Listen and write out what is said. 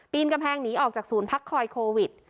ปีนกำแพงหนีออกจากสูญพักคอยโควิด